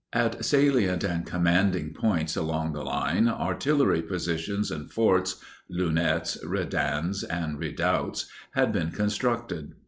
At salient and commanding points along the line, artillery positions and forts (lunettes, redans, and redoubts) had been constructed.